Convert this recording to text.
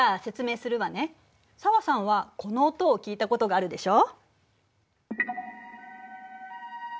紗和さんはこの音を聞いたことがあるでしょ？